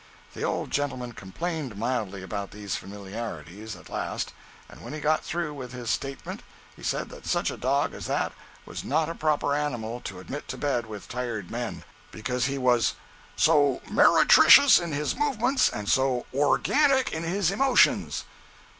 The old gentleman complained mildly about these familiarities, at last, and when he got through with his statement he said that such a dog as that was not a proper animal to admit to bed with tired men, because he was "so meretricious in his movements and so organic in his emotions."